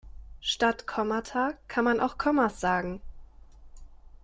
Statt Kommata kann man auch Kommas sagen.